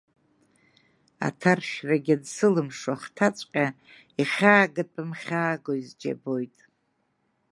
Аҭаршәрагьы ансылымшо ахҭацәҟьа, ихьаагатәым хьааго изџьабоит.